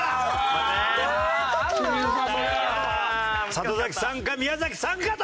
里崎さんか宮崎さんかと。